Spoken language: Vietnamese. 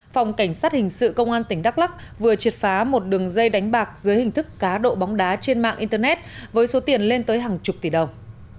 phòng cảnh sát hình sự công an tỉnh đắk lắc vừa triệt phá một đường dây đánh bạc dưới hình thức cá độ bóng đá trên mạng internet với số tiền lên tới hàng chục tỷ đồng